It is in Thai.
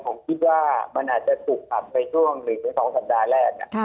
ผมคิดว่ามันอาจจะถูกขับไปช่วง๑๒สัปดาห์แรก